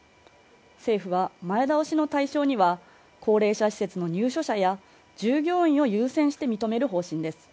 政府は前倒しの対象には高齢者施設の入所者や従業員を優先して認める方針です